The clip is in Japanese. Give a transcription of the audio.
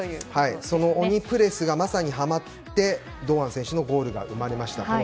鬼プレスがまさにはまって堂安選手のゴールが生まれました。